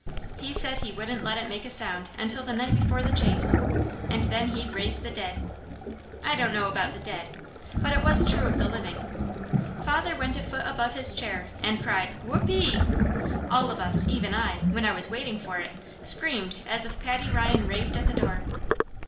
He said he wouldn't let it make a sound until the night before the chase, and then he'd raise the dead. I don't know about the dead; but it was true of the living. Father went a foot above his chair and cried: "Whoo pee!" All of us, even I, when I was waiting for it, screamed as if Paddy Ryan raved at the door.